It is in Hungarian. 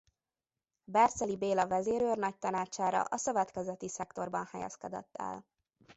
Berceli Béla vezérőrnagy tanácsára a szövetkezeti szektorban helyezkedett el.